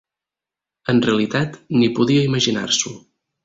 En realitat, ni podia imaginar-s'ho.